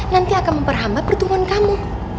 nanti akan memperhambat pertumbuhan kamu